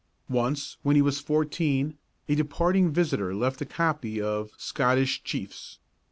Once, when he was fourteen, a departing visitor left a copy of "Scottish Chiefs."